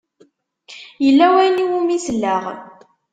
Yella wayen i wumi selleɣ.